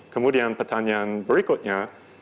kemudian pertanyaan berikutnya